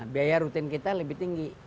biaya rutin kita lebih tinggi